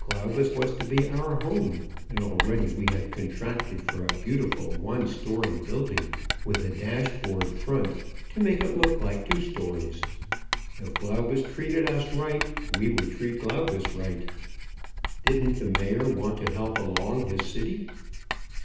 Glaubus was to be our home, and already we had contracted for a beautiful one story building, with a dashboard front, to make it look like two stories. If Glaubus treated us right, we would treat Glaubus right. Didn't the mayor want to help along his city?